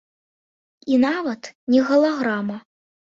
І нават не галаграма.